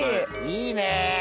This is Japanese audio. いいね。